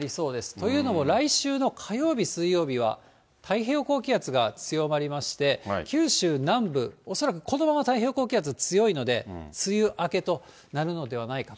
というのも、来週の火曜日、水曜日は太平洋高気圧が強まりまして、九州南部、恐らく、このまま太平洋高気圧強いので、梅雨明けとなるのではないかと。